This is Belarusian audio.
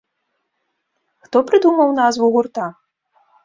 Хто прыдумаў назву гурта?